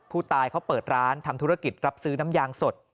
ผู้ตายเขาเปิดร้านทำธุรกิจรับซื้อน้ำยางสด